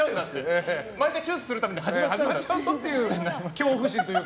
毎回チューするたびに始まっちゃうぞという恐怖心というか。